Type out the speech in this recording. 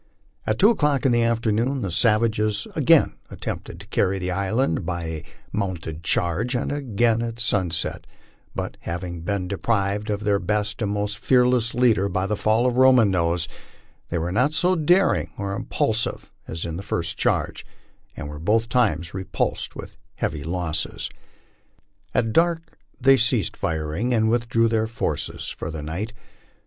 At two o'clock in the afternoon the savages again attempted to carry the island by a mounted charge, and again at sun %et; but having been deprived of their best and most fearless leader by the fall of Roman Nose, they were not so daring or impulsive as in the first charge, and were both times repulsed with heavy losses. At dark they ceased firing, and withdrew their forces for the night.